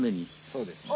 そうですね。